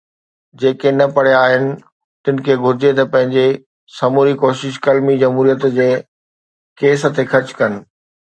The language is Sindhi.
جيڪي نه پڙهيا آهن، تن کي گهرجي ته پنهنجي سموري ڪوشش قلمي جمهوريت جي ڪيسن تي خرچ ڪن.